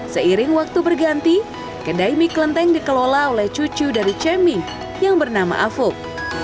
seiring waktu berganti kedai mie kelenteng dikelola oleh cucu dari cemi yang bernama afuk